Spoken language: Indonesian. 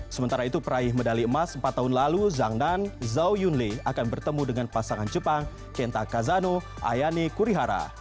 sementara itu peraih medali emas empat tahun lalu zhang nan zhao yunle akan bertemu dengan pasangan jepang kenta kazano ayani kurihara